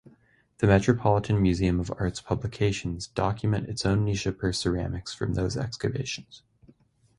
The Metropolitan Museum of Art's publications document its own Nishapur ceramics from those excavations.